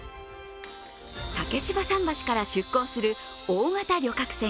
竹芝桟橋から出港する大型旅客船